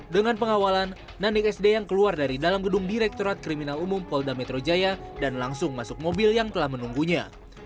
dengan pengawalan nanik sd yang keluar dari dalam gedung direktorat kriminal umum polda metro jaya dan langsung masuk mobil yang telah menunggunya